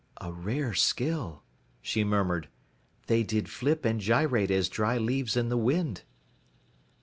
"A rare skill," she murmured, "they did flip and gyrate as dry leaves in the wind."